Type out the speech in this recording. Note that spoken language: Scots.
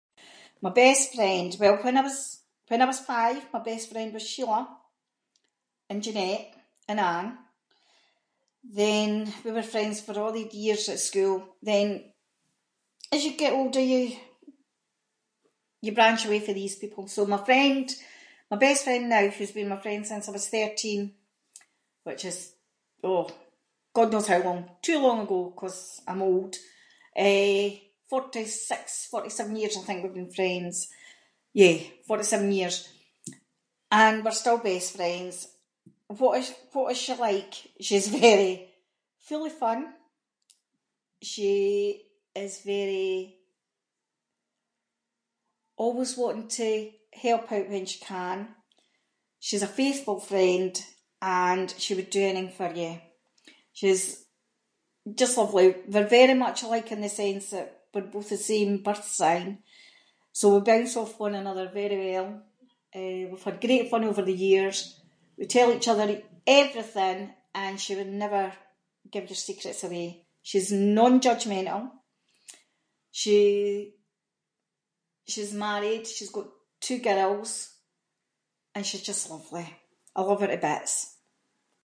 My best friend, well when I was five, my best friend was Sheila and Janette and Anne, then we were friends for a’ the years at school, then as you get older you- you branch away fae these people, so my friend- my best friend now, who’s been my friend since I was thirteen, which is, oh, god knows how long, too long ago, ‘cause I’m old, eh, forty-six, forty-seven years I think we’ve been friends. Yeah, forty-seven years and we’re still best friends. What is- what is she like? She’s very- full of fun, she is very- always wanting to help out when she can. She’s a faithful friend, and she would do anything for you. She’s just lovely. We’re very much alike in the sense that we’re both the same birth sign, so we bounce off one another very well. Eh, we’ve had great fun over the years, we tell each other everything, and she would never give your secrets away. She’s non-judgmental, she- she’s married, she’s got two girls, and she’s just lovely I love her to bits.